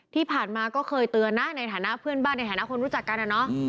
ที่ผ่านมาก็เคยเตือนนะในฐานะเพื่อนบ้านในฐานะคนรู้จักกันอะเนาะ